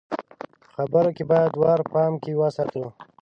په خبرو کې بايد وار په پام کې وساتو.